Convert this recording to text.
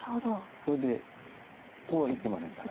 これでここはいけませんから。